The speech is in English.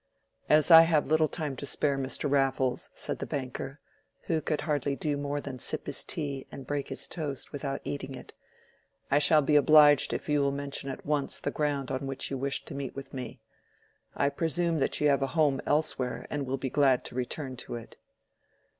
"As I have little time to spare, Mr. Raffles," said the banker, who could hardly do more than sip his tea and break his toast without eating it, "I shall be obliged if you will mention at once the ground on which you wished to meet with me. I presume that you have a home elsewhere and will be glad to return to it."